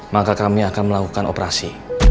maka kami akan melakukan operasi